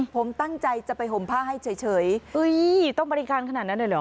ผมตั้งใจจะไปห่มผ้าให้เฉยต้องบริการขนาดนั้นเลยเหรอ